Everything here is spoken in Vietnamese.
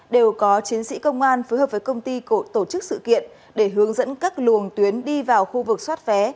đều có chiến sĩ công an phối hợp với công ty tổ chức sự kiện để hướng dẫn các luồng tuyến đi vào khu vực xoát vé